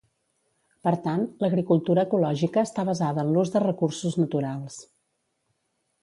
Per tant, l'agricultura ecològica està basada en l'ús de recursos naturals.